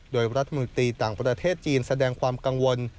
โดยรัฐมนตรีต่างประเทศจีนแสดงความกังวล